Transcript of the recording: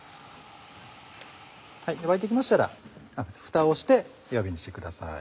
沸いてきましたらふたをして弱火にしてください。